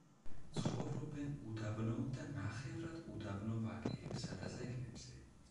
ცხოვრობენ უდაბნო და ნახევრად უდაბნო ვაკეებსა და ზეგნებზე.